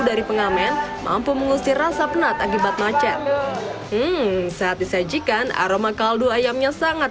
dari pengamen mampu mengusir rasa penat akibat macet saat disajikan aroma kaldu ayamnya sangat